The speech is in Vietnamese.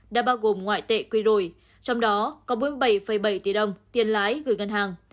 đã bao gồm ngoại tệ quy đổi trong đó có bốn mươi bảy bảy tỷ đồng tiền lãi gửi ngân hàng